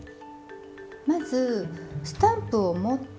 まずスタンプを持って。